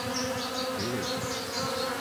Било их је.